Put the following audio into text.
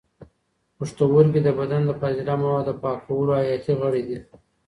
پښتورګي د بدن د فاضله موادو د پاکولو حیاتي غړي دي.